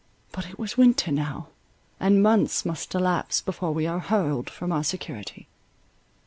But it was winter now, and months must elapse before we are hurled from our security.